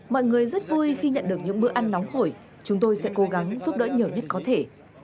mọi người rất vui khi nhận được những bữa ăn nóng hổi chúng tôi sẽ cố gắng giúp đỡ nhiều nhất có thể